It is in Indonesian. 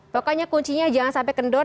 pokoknya kuncinya jangan sampai kendor